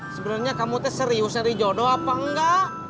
sebenernya kamu serius dari jodoh apa enggak